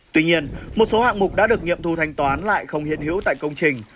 tuy nhiên một số hạng mục đã được nghiệm thu thanh toán lại không hiện hữu tại công trình